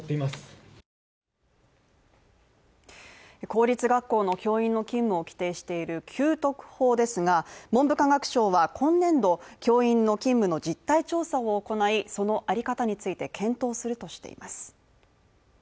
公立学校の教員の勤務を規定している給特法ですが、文部科学省は今年度教員の勤務の実態調査を行いその在り方について検討するとしています。